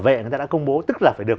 về người ta đã công bố tức là phải được